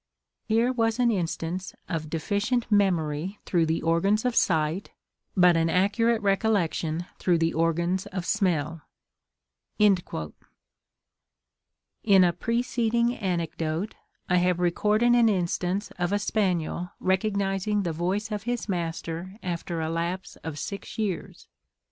Here was an instance of deficient memory through the organs of sight, but an accurate recollection through the organs of smell." In a preceding anecdote, I have recorded an instance of a spaniel recognising the voice of his master after a lapse of six years.